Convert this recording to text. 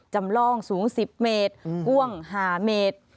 จำลองสูง๑๐เมตรกว้าง๕เมตร